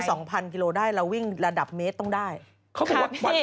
สิ่งตัวหุ่นดีมากนางบิ๊ว